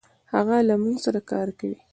هغه له مونږ سره کار کوي.